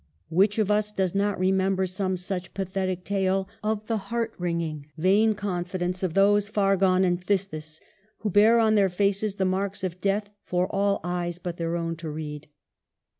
Which of us does not remember some such pa thetic tale of the heart wringing, vain confidence of those far gone in phthisis, who bear on their faces the marks of death for all eyes but their own to read